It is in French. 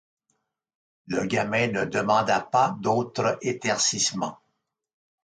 Le gamin ne demanda pas d'autre éclaircissement.